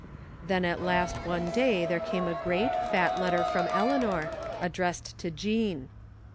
Then at last one day there came a great, fat letter from Eleanor, addressed to Jean.